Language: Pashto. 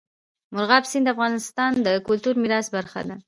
مورغاب سیند د افغانستان د کلتوري میراث برخه ده.